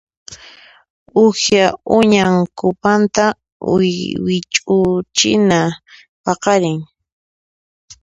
Uha uñaq cupanta wit'uchina paqarin.